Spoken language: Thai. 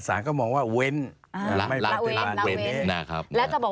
นายกหรือใช่ไหม